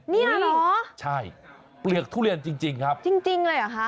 นี่หรอใช่เปลือกทุเรียนจริงครับจริงเลยหรอคะ